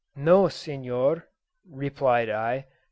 "No, Senor," replied I.